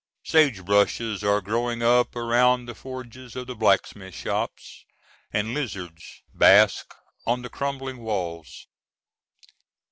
Sagebrushes are growing up around the forges of the blacksmith shops, and lizards bask on the crumbling walls.